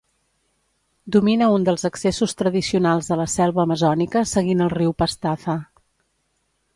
Domina un dels accessos tradicionals a la selva amazònica seguint el riu Pastaza.